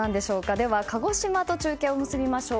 では鹿児島と中継を結びましょう。